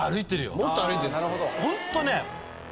ホントね。